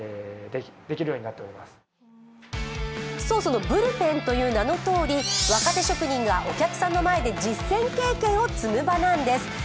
そう、そのブルペンという名の通り、若手職人がお客さんの前で実戦経験を積む場なんです。